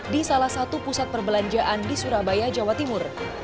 di salah satu pusat perbelanjaan di surabaya jawa timur